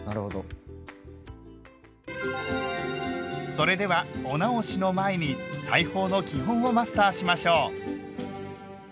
それではお直しの前に裁縫の基本をマスターしましょう。